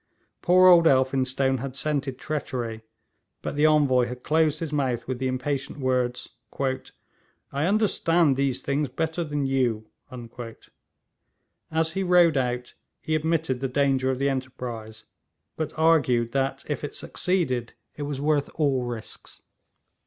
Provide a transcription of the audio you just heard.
Poor old Elphinstone had scented treachery; but the Envoy had closed his mouth with the impatient words: 'I understand these things better than you!' As he rode out, he admitted the danger of the enterprise, but argued that if it succeeded it was worth all risks.